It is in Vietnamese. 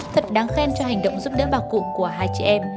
thật đáng khen cho hành động giúp đỡ bà cụ của hai chị em